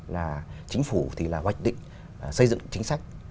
là chính phủ thì là hoạch định xây dựng chính sách